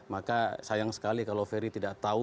maka sayang sekali kalau ferry tidak tahu